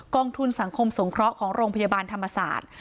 องทุนสังคมสงเคราะห์ของโรงพยาบาลธรรมศาสตร์